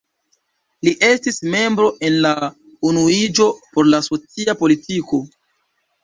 Li estis membro en la „Unuiĝo por la socia politiko”.